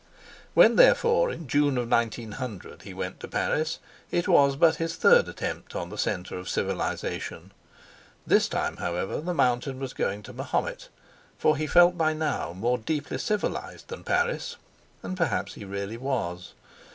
When, therefore, in June of 1900 he went to Paris, it was but his third attempt on the centre of civilisation. This time, however, the mountain was going to Mahomet; for he felt by now more deeply civilised than Paris, and perhaps he really was.